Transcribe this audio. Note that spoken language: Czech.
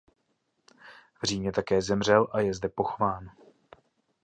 V Římě také zemřel a je zde pochován.